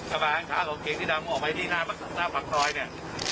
กระบะข้างขาวของเก๋งสีดำมันออกมาที่หน้าฝังตรอยเนี่ย